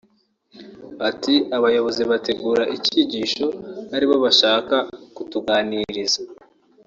Ati “Abayobozi bategura ikigisho aribo bashaka kutuganiriza